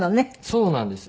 そうなんです。